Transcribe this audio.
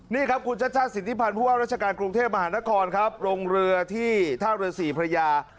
นี่ครับคุณชาติศิฏริพาณธ์ราชการกรุงเทพมหานครรองเรือที่ท่ารสีพระยา